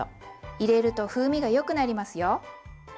入れると風味がよくなりますよ。